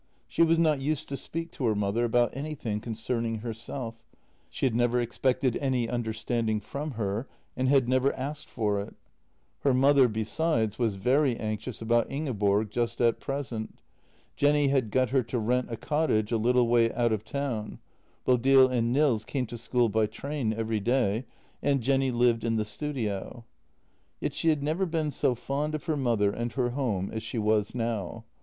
She was not used to speak to her mother about anything concerning herself; she had never ex pected any understanding from her, and had never asked for it. Her mother, besides, was very anxious about Ingeborg just at present. Jenny had got her to rent a cottage a little way out of town; Bodil and Nils came to school by train every day, and Jenny lived in the studio. Yet she had never been so fond of her mother and her home as she was now.